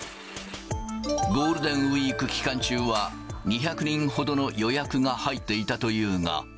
ゴールデンウィーク期間中は、２００人ほどの予約が入っていたというが。